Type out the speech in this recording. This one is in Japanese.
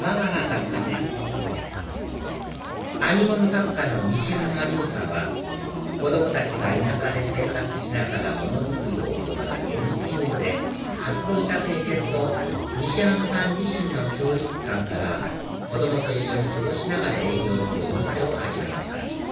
雑貨店編み物作家の西浜理央さんは子供たちが田舎で生活しながら物作りを行うＮＰＯで活動した経験と西浜さん自身の教育観から子供と一緒に過ごしながら営業するお店を始めました